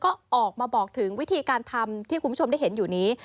ก็ออกมาบอกถึงวิธีการทำที่คุณผู้ชมได้เห็นอยู่นี้